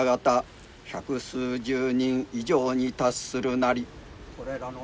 百数十人以上に達するなり。